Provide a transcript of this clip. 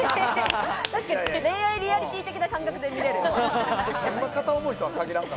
確かに恋愛リアリティー的な感覚で見れる。